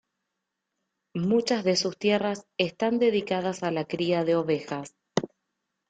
Muchas de sus tierras están dedicadas a la cría de ovejas.